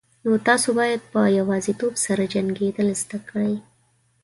نو تاسو باید په یوازیتوب سره جنگیدل زده کړئ.